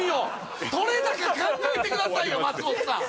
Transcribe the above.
撮れ高考えてくださいよ松本さん！